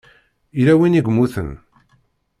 yella win i yemmuten?